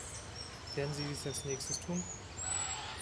Werden Sie dies als Nächstes tun?